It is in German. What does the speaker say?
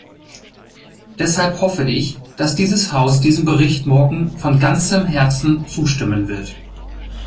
Deshalb hoffe ich, dass dieses Haus diesem Bericht morgen von ganzem Herzen zustimmen wird.